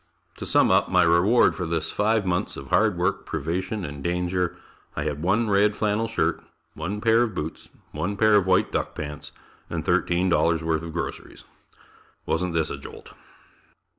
To sum up my reward for this five months of hard work, privation and danger, I had one red flannel shirt, one pair of boots, one pair of white duck pants and $13 worth of groceries. Wasn't this a jolt?